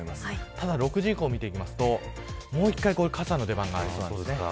ただ、６時以降見ていくともう一度傘の出番がありそうです。